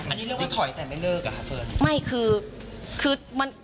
อันนี้เรียกว่าถอยแต่ไม่เลิกเหรอเฟิร์น